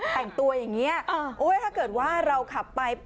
แต่งตัวอย่างเงี้ยอ่าโอ้ยถ้าเกิดว่าเราขับไป